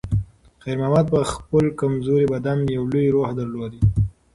خیر محمد په خپل کمزوري بدن کې یو لوی روح درلود.